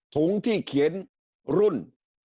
ถุงที่เขียนรุ่น